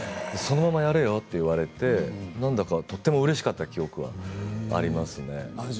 そのままやれよと言われてなんだかとてもうれしかった記憶はありますね。